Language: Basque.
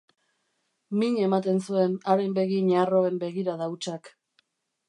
Min ematen zuen haren begi ñarroen begirada hutsak.